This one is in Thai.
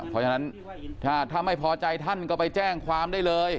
เพราะฉะนั้นถ้าไม่พอใจท่านก็ไปแจ้งความได้เลย